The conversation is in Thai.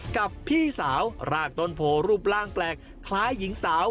กับพี่สาวรากต้นโพรูปร่างแปลกคล้ายหญิงสาว